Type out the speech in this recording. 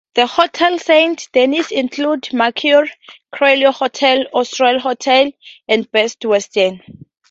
The hotels in Saint-Denis include Mercure Creolia Hotel, Austral Hotel and Best Western.